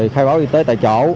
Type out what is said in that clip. khai báo y tế tại chỗ